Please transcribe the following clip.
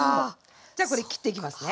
じゃあこれ切っていきますね。